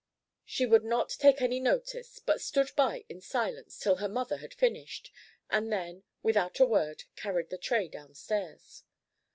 She would not take any notice, but stood by in silence till her mother had finished, and then, without a word, carried the tray downstairs.